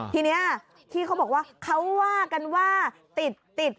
ทีนี้ที่เขาบอกว่าเขาว่ากันว่าติดติด